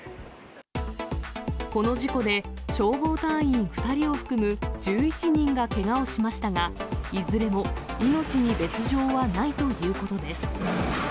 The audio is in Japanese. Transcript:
この事故で、消防隊員２人を含む１１人がけがをしましたが、いずれも命に別状はないということです。